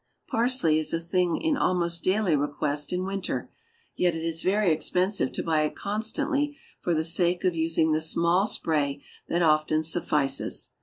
Parsley is a thing in almost daily request in winter, yet it is very expensive to buy it constantly for the sake of using the small spray that often suffices.